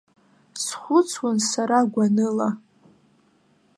Схәыцуан сара гәаныла.